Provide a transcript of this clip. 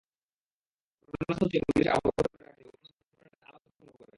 ঘটনাস্থলটিও police আবদ্ধ করে রাখেনি এবং কোনো ধরনের আলামতও সংগ্রহ করেনি।